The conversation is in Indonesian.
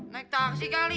naik taksi kali